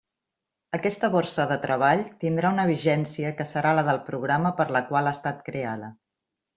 Aquesta borsa de treball tindrà una vigència que serà la del programa per la qual ha estat creada.